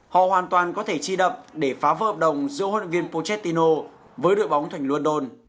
họ hoàn toàn có thể chi đập để phá vỡ hợp đồng giữa huấn luyện viên puchetino với đội bóng thành london